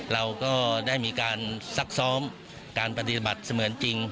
เราก็ได้มีการซักซ้อมการปฏิบัติเสมือนจริง